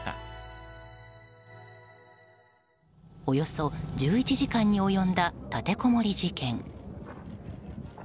およそ１１時間に及んだ立てこもり事件。